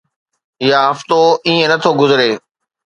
يا هفتو ائين نه ٿو گذري